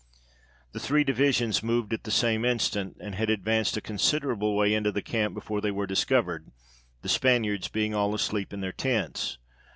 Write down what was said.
The three divisions moved at the same instant, and had advanced a considerable way in the camp before they were dis covered, the Spaniards being all asleep in their tents.